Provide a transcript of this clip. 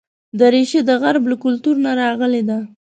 دریشي د غرب له کلتور نه راغلې ده.